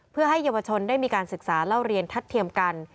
เพื่อให้เยาวชนได้มีการศึกษาเล่าเรียนทัดเทียมกัน